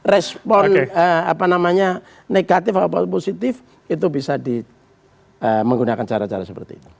respon negatif apa positif itu bisa di menggunakan cara cara seperti ini